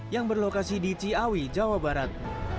yang berlokasi di ciawi jawa barat